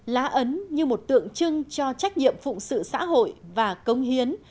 lá ấn như một tượng trưng cho trách nhiệm phụ sự xã hội và cống hiến